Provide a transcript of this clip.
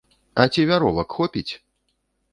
А ці вяровак хопіць?!.